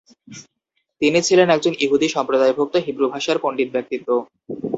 তিনি ছিলেন একজন ইহুদি সম্প্রদায়ভুক্ত হিব্রুভাষার পণ্ডিত ব্যক্তিত্ব।